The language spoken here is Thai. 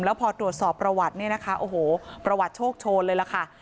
แล้วพอตรวจสอบประวัติเนี่ยนะคะโอ้โหประวัติโชคโชนเลยล่ะค่ะ